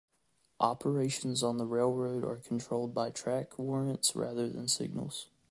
Operations on the railroad are controlled by track warrants rather than signals.